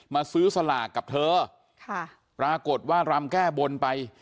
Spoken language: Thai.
มาซื้อสลากกับเธอค่ะปรากฏว่ารำแก้บนไป